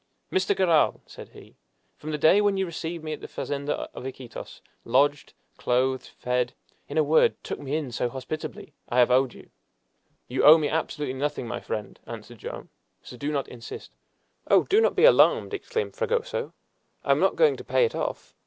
"Mr. Garral," said he, "from the day when you received me at the fazenda of Iquitos, lodged, clothed, fed in a word, took me in so hospitably I have owed you " "You owe me absolutely nothing, my friend," answered Joam, "so do not insist " "Oh, do not be alarmed!" exclaimed Fragoso, "I am not going to pay it off!